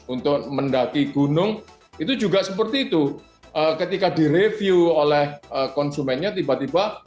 untuk mendaki gunung itu juga seperti itu ketika direview oleh konsumennya tiba tiba